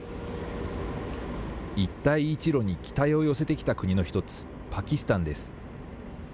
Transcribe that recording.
一帯一路に期待を寄せてきた国の一つ、パキスタンです。